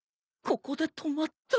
ここで止まった。